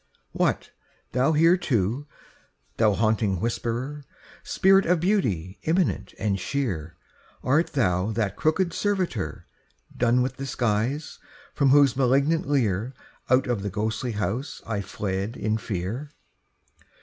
What, thou too here, Thou haunting whisperer? Spirit of beauty immanent and sheer, Art thou that crooked servitor, Done with disguise, from whose malignant leer Out of the ghostly house I fled in fear?